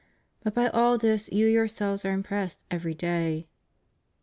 But by all this you yourselves are impressed every day.